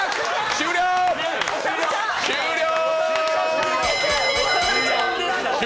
終了！